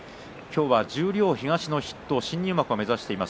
十両東の筆頭新入幕目指しています